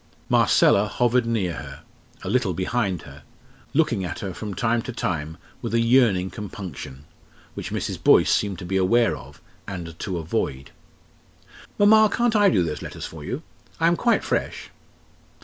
Marcella hovered near her a little behind her looking at her from time to time with a yearning compunction which Mrs. Boyce seemed to be aware of, and to avoid. "Mamma, can't I do those letters for you? I am quite fresh."